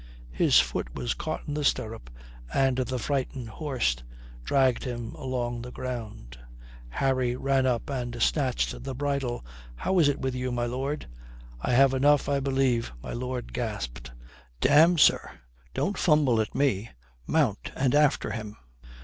His foot was caught in the stirrup, and the frightened horse dragged him along the ground. Harry ran up and snatched the bridle. "How is it with you, my lord?" "I have enough, I believe," my lord gasped. "Damme, sir, don't fumble at me. Mount and after him."